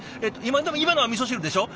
でも今のはみそ汁でしょ？